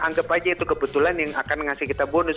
anggap aja itu kebetulan yang akan ngasih kita bonus